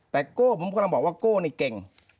แต่โก้ผมกำลังบอกว่าโก้นี่เก่ง